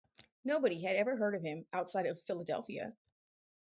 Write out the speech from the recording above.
Nobody had ever heard of him outside of Philadelphia.